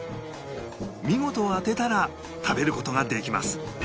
見事当てたら食べる事ができます